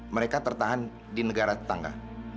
mereka tertahan di negara tetangga